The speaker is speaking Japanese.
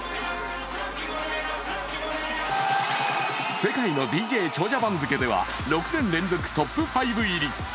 世界のＤＪ長者番付では６年連続トップ５入り。